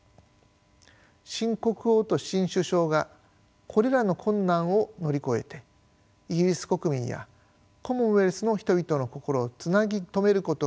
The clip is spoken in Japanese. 新国王と新首相がこれらの困難を乗り越えてイギリス国民やコモンウェルスの人々の心をつなぎ止めることができるのか。